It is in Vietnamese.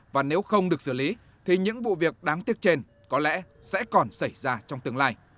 và nếu không được xử lý thì những vụ việc đáng tiếc trên có lẽ sẽ còn xảy ra trong tương lai